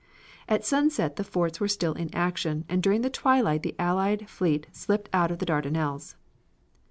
At sunset the forts were still in action, and during the twilight the Allied fleet slipped out of the Dardanelles.